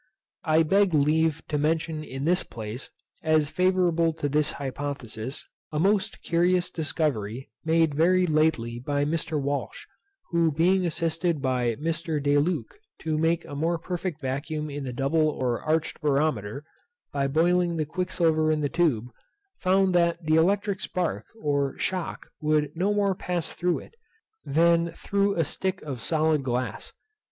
I beg leave to mention in this place, as favourable to this hypothesis, a most curious discovery made very lately by Mr. Walsh, who being assisted by Mr. De Luc to make a more perfect vacuum in the double or arched barometer, by boiling the quicksilver in the tube, found that the electric spark or shock would no more pass through it, than through a stick of solid glass.